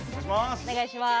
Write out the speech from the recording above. お願いします。